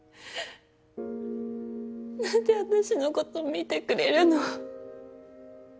何で私のこと見てくれるの？